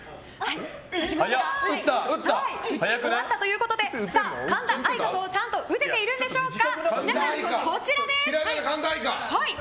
打ち終わったということで「かんだあいか」をちゃんと打てているんでしょうか。